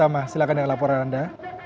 mardika utama silakan yang laporan anda